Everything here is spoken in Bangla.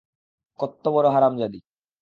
কত্ত বড় হারামজাদী!